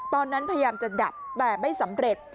ตอนนั้นพยายามจะดับแต่ไม่สำเร็จ